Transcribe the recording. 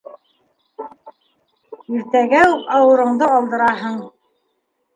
Иртәгә үк ауырыңды алдыраһың...